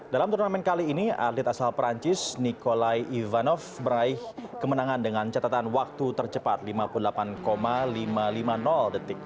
dalam turnamen kali ini atlet asal perancis nikolai ivanov meraih kemenangan dengan catatan waktu tercepat lima puluh delapan lima ratus lima puluh detik